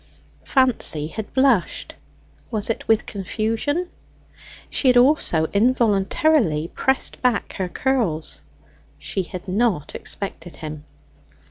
Fancy had blushed; was it with confusion? She had also involuntarily pressed back her curls. She had not expected him.